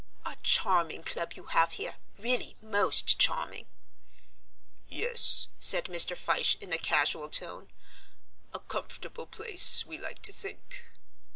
"A charming club you have here, really most charming." "Yes," said Mr. Fyshe, in a casual tone, "a comfortable place, we like to think."